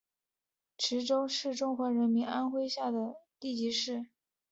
池州市是中华人民共和国安徽省下辖的地级市。